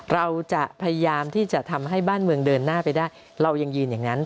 เราจะพยายามที่จะทำให้บ้านเมืองเดินหน้าไปได้เรายังยืนอย่างนั้น